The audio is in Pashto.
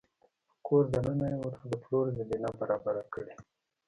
په کور دننه يې ورته د پلور زمینه برابره کړې